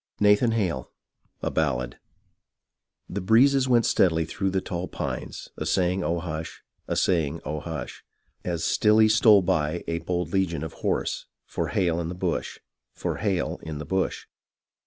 Nathan Hale — A Ballad The breezes went steadily thro' the tall pines, A saying " Oh ! hu ush," a saying " Oh ! hu ush !" As stilly stole by a bold legion of horse For Hale in the bush, for Hale in the bush.